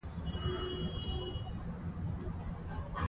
هغه نظام چې ولس ورسره ولاړ وي دوام کوي